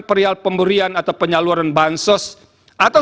perial pemberian atau penyaluran bahan sosial